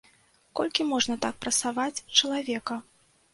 Колькі можна так прасаваць чалавека.